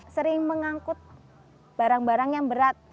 sering mengangkut barang barang yang berat